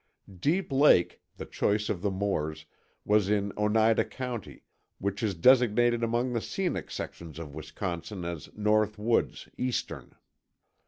Deep Lake, the choice of the Moores, was in Oneida County, which is designated among the Scenic Sections of Wisconsin as North Woods—Eastern.